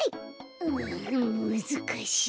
うんむずかしい。